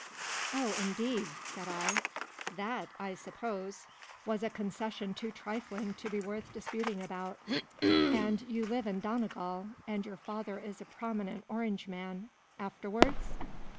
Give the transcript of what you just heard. "Oh, indeed !" said I. "That, I suppose, MADAME DE CHANTELOUP. was a concession too trifling to be worth dis puting about. And you live in Donegal, and your father is a prominent Orangeman. After wards